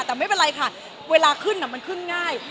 แต่ไม่เป็นไรค่ะเวลาขึ้นมันขึ้นง่าย